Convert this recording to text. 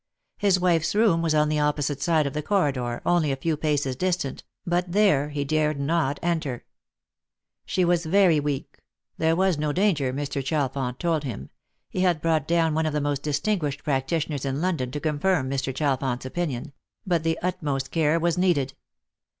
His wife's room was on the opposite side of the corridor, only a few paces distant, but there he dared not enter. She was very weak; there was no danger, Mr. Chalfont told him — he had brought down one of the most distinguished practitioners in London to confirm Mr. Chalfont's opinion — but the utmost care was needed.